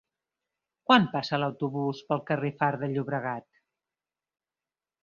Quan passa l'autobús pel carrer Far de Llobregat?